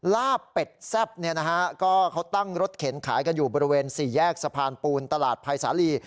ลาบเป็ดแซ่บเนี่ยนะฮะก็เขาตั้งรถเข็นขายกันอยู่บริเวณสี่แยกสะพานปูนตลาดภัยสาลี